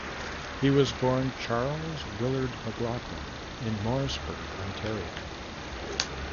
He was born Charles Willard McLaughlin in Morrisburg, Ontario.